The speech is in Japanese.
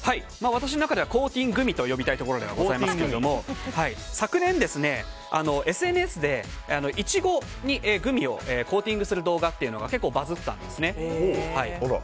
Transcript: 私の中ではコーティングミと呼びたいところではございますけども昨年、ＳＮＳでイチゴにグミをコーティングする動画っていうのが結構バズったんですね。